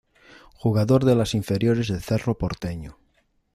Jugador de las inferiores de Cerro Porteño.